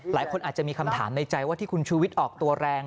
หลายคนอาจจะมีคำถามในใจว่าที่คุณชูวิทย์ออกตัวแรง